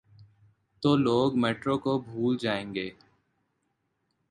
تو لوگ میٹرو کو بھول جائیں گے۔